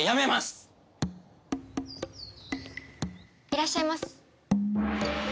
いらっしゃいま。